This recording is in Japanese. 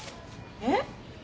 えっ？